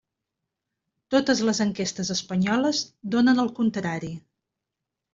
Totes les enquestes espanyoles donen el contrari.